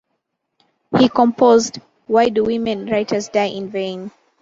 He composed ""Why do women writers die in vain?